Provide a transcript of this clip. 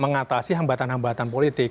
mengatasi hambatan hambatan politik